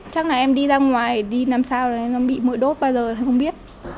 chắc là em đi ra ngoài đi làm sao là em bị mũi đốt bao giờ thì không biết